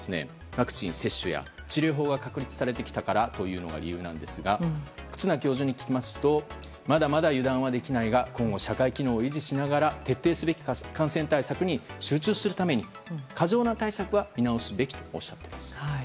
ワクチン接種や治療法が確立されてきたからというのが理由なんですが忽那教授に聞きますとまだまだ油断はできないが今後社会機能を維持しながら徹底すべき感染対策に集中するために過剰な対策は見直すべきとおっしゃっています。